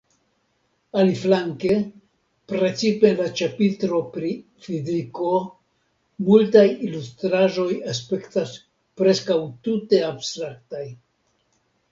Aliflanke, precipe en la ĉapitro pri “fiziko,” multaj ilustraĵoj aspektas preskaŭ tute abstraktaj.